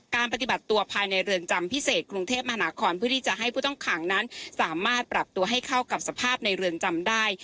ปฏิบัติตัวภายในเรือนจำพิเศษกรุงเทพมหานครเพื่อที่จะให้ผู้ต้องขังนั้นสามารถปรับตัวให้เข้ากับสภาพในเรือนจำได้